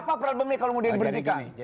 apa peran bumi kalau mudah mudahan diberhentikan